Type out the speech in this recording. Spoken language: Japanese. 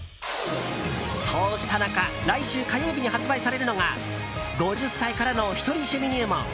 そうした中来週火曜日に発売されるのが「５０歳からのひとり趣味入門」。